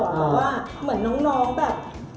ว่าเหมือนน้องแบบ